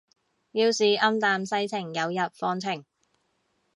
要是暗淡世情有日放晴